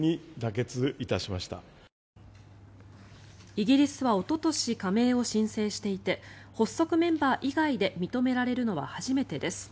イギリスはおととし加盟を申請していて発足メンバー以外で認められるのは初めてです。